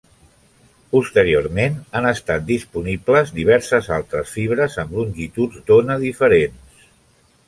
Posteriorment, han estat disponibles diverses altres fibres amb longituds d'ona diferents.